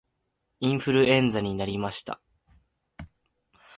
インフルエンザになりました